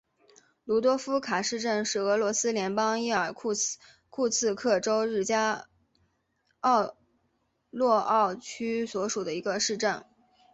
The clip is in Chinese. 鲁多夫卡市镇是俄罗斯联邦伊尔库茨克州日加洛沃区所属的一个市镇。